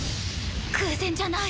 偶然じゃない。